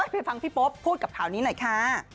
ไปฟังพี่โป๊ปพูดกับข่าวนี้หน่อยค่ะ